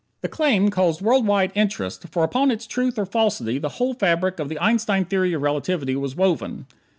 The claim caused world wide interest, for upon its truth or falsity the whole fabric of the Einstein Theory of Relativity was woven.